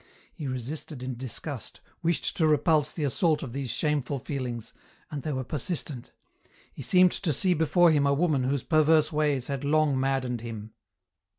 He resisted in disgust, wished to repulse the assault of these shameful feelings, and they were persistent. He seemed to see before him a woman whose perverse ways had long maddened him.